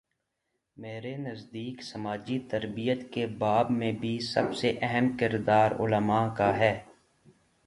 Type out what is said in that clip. میرے نزدیک سماجی تربیت کے باب میں بھی سب سے اہم کردار علما کا ہے۔